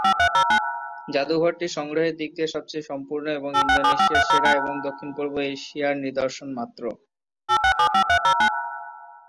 জাদুঘরটি সংগ্রহের দিক দিয়ে সবচেয়ে সম্পূর্ণ এবং ইন্দোনেশিয়ার সেরা এবং দক্ষিণপূর্ব এশিয়ার নিদর্শন মাত্র।